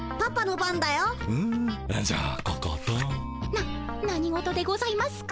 な何事でございますか？